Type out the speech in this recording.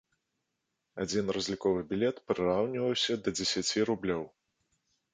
Адзін разліковы білет прыраўніваўся да дзесяці рублёў.